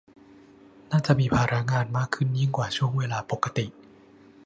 น่าจะมีภาระงานมากยิ่งกว่าช่วงเวลาปกติ